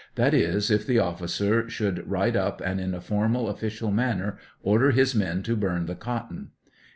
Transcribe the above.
that is, if the officer should ride up, and, in a formal, official manner, order his men to burn the cotton